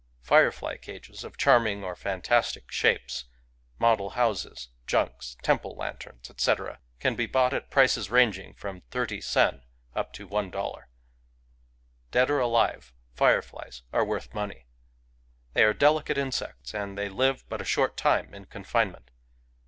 Firefly cages of charming or fantastic shapes — model houses, junks, temple lanterns, etc. — can be bought at prices ranging from thirty sen up to one dollar. Dead or alive, fireflies are worth money. They are delicate insects, and they live but a short time in confinement.